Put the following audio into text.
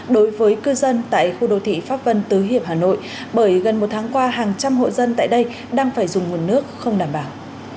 đối với cư dân tại khu đô thị pháp vân tứ hiệp hà nội bởi gần một tháng qua hàng trăm hộ dân tại đây đang phải dùng nguồn nước không đảm bảo